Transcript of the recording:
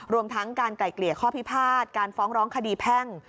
รวมทั้งการไกล่เกลี่ยข้อพิพาทการฟ้องร้องคดีแพ่ง